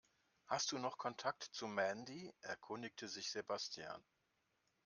Hast du noch Kontakt zu Mandy?, erkundigte sich Sebastian.